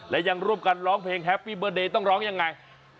และยังร่วมกันร้องเพลงแฮปปี้เบอร์เดย์ต้องร้องยังไง